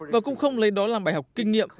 và cũng không lấy đó làm bài học kinh nghiệm